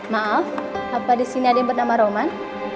maaf apa disini ada yang bernama roman